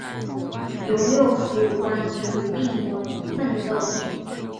永六辅晚年与病魔奋斗。